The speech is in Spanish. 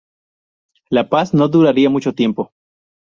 La paz no duraría mucho tiempo.